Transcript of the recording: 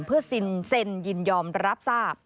เพื่อเซ็นยินยอมรับทราบ